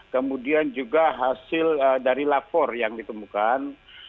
kemudian juga hasil dari lapor yang ditemukan